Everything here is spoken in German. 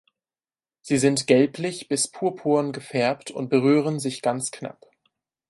Sie sind gelblich bis purpurn gefärbt und berühren sich ganz knapp.